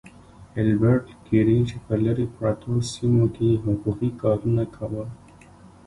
ايلبرټ ګيري چې په لرې پرتو سيمو کې يې حقوقي کارونه کول.